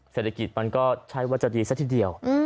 เศรษฐกิจมันก็ใช่ว่าจะดีซะทีเดียว